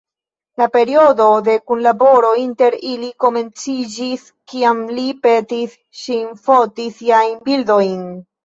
La periodo de kunlaboro inter ili komenciĝis kiam li petis ŝin foti siajn bildojn.